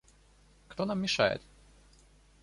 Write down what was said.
Кто нам мешает?